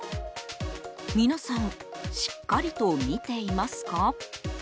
皆さんしっかりと見ていますか？